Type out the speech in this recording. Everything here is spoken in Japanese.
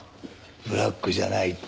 ブラックじゃないって。